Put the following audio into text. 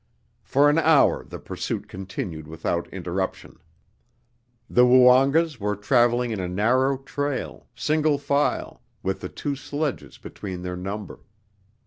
For an hour the pursuit continued without interruption. The Woongas were traveling in a narrow trail, single file, with the two sledges between their number.